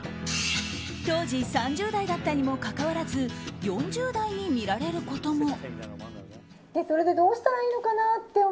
当時３０代だったにもかかわらず４０代に見られることも。